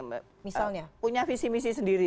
mbak misalnya punya visi misi sendiri